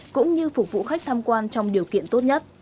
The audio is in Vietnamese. cũng như phục vụ khách tham quan trong điều kiện tốt nhất